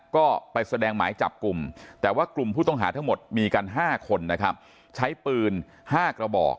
ก็ไปแสดงหมายจับกลุ่มแต่ว่ากลุ่มผู้ต้องหาทั้งหมดมีกัน๕คนนะครับใช้ปืน๕กระบอก